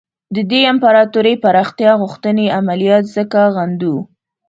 د دې امپراطوري پراختیا غوښتنې عملیات ځکه غندو.